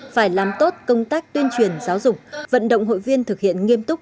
phải làm tốt công tác tuyên truyền giáo dục vận động hội viên thực hiện nghiêm túc